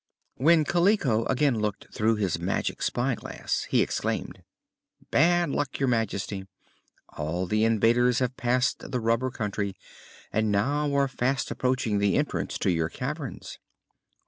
When Kaliko again looked through his magic spyglass he exclaimed: "Bad luck, Your Majesty! All the invaders have passed the Rubber Country and now are fast approaching the entrance to your caverns."